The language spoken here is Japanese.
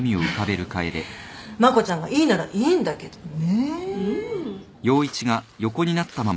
まこちゃんがいいならいいんだけどね。